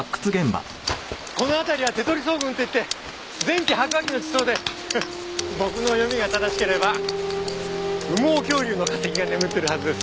この辺りは手取層群といって前期白亜紀の地層で僕の読みが正しければ羽毛恐竜の化石が眠ってるはずです。